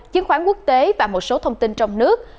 dân khoản quốc tế và một số thông tin trong nước